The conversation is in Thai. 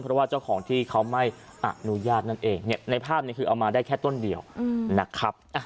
เพราะว่าเจ้าของที่เขาไม่อนุญาตนั่นเองในภาพนี้คือเอามาได้แค่ต้นเดียวนะครับ